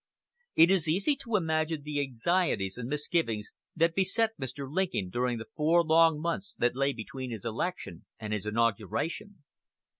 It is easy to imagine the anxieties and misgivings that beset Mr. Lincoln during the four long months that lay between his election and his inauguration.